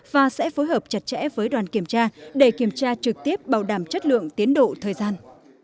và sẽ phối hợp chặt chẽ với đoàn kiểm tra để kiểm tra trực tiếp bảo đảm chất lượng tiến độ thời gian